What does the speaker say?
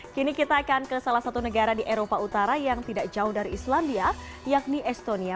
kini kita akan ke salah satu negara di eropa utara yang tidak jauh dari islandia yakni estonia